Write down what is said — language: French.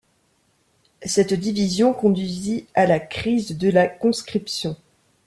Cette division conduisit à la Crise de la conscription.